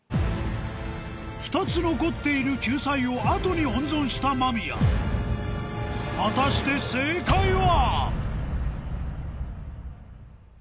２つ残っている救済を後に温存した間宮果たして正解は？